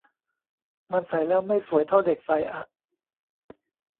มันใส่แล้วไม่สวยเท่าเด็กใส่อะ